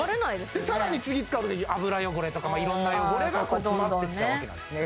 でさらに次使うときに油汚れとかいろんな汚れが詰まってっちゃうわけなんですね